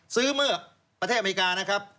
ซื้อเมื่อประเทศอเมริกานะครับ